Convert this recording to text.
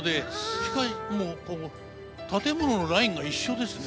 建物のラインが一緒ですね。